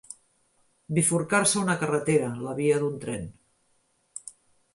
Bifurcar-se una carretera, la via d'un tren.